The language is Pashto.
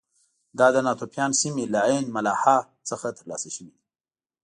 دا د ناتوفیان سیمې له عین ملاحا څخه ترلاسه شوي دي